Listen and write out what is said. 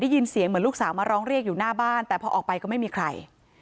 ยินเสียงเหมือนลูกสาวมาร้องเรียกอยู่หน้าบ้านแต่พอออกไปก็ไม่มีใคร